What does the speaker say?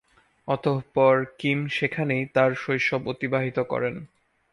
অতঃপর কিম সেখানেই তার শৈশব অতিবাহিত করেন।